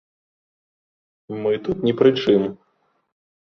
Мы тут ні пры чым!